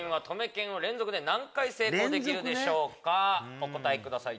お答えください